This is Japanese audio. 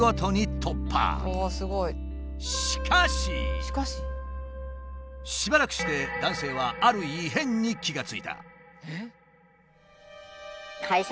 しかししばらくして男性はある異変に気が付いた。